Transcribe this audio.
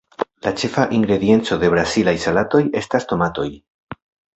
La ĉefa ingredienco de brazilaj salatoj estas tomatoj.